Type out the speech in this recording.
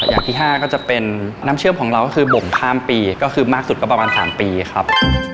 อย่างที่๕ก็จะเป็นน้ำเชื่อมของเราก็คือบ่งข้ามปีก็คือมากสุดก็ประมาณ๓ปีครับ